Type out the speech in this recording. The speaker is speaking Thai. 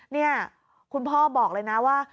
นี่คุณพ่อบอกเลยนะว่า